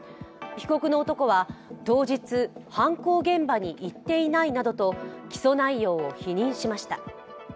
被告の男は、当日、犯行現場に行っていないなどと起訴内容を否認しました。